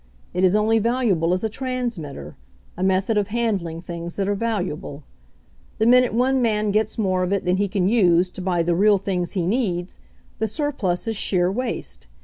It is only valuable as a transmitter, a method of handling things that are valuable. The minute one man gets more of it than he can use to buy the real things he needs, the surplus is sheer waste.